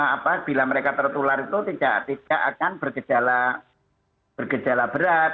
apa bila mereka tertular itu tidak akan bergejala berat